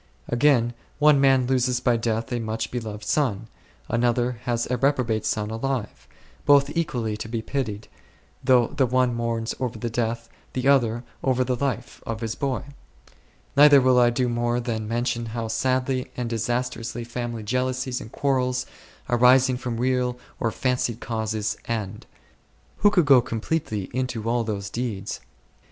Again, one man loses by death a much loved ? son ; another has a reprobate son alive ; both equally to be pitied, though the one mourns over the death, the other over the life, of his boy. Neither will I do more than mention how sadly and disas trously family jealousies and quarrels, arising from real or fancied causes, end. Who could go completely into all those details